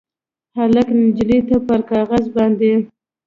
هلک نجلۍ ته پر کاغذ باندې